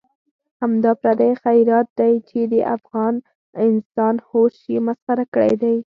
همدا پردی خیرات دی چې د افغان انسان هوش یې مسخره کړی دی.